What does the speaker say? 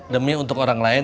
demi untuk orang lain